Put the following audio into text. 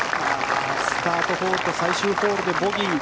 スタートホールと最終ホールでボギー。